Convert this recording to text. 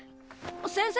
先生！